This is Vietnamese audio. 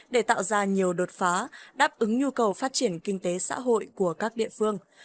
để tạo ra nhiều đột phá đáp ứng nhu cầu phát triển kinh tế xã hội của các địa phương